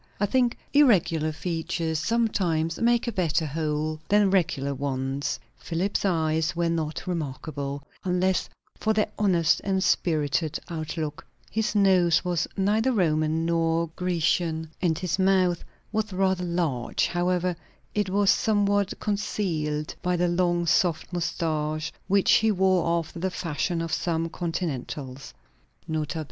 I think irregular features sometimes make a better whole than regular ones. Philip's eyes were not remarkable, unless for their honest and spirited outlook; his nose was neither Roman nor Grecian, and his mouth was rather large; however, it was somewhat concealed by the long soft moustache, which he wore after the fashion of some Continentals (N. B.